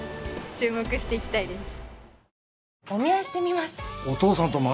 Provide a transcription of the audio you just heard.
注目していきたいです